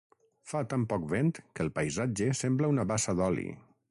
Fa tan poc vent que el paisatge sembla una bassa d'oli.